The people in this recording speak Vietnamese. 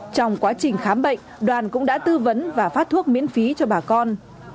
trong quá trình khám bệnh đoàn cũng đã tư vấn và phát thuốc miễn phí cho bà con